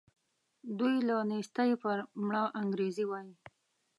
دوی له نېستي پر مړه انګرېږي وايي.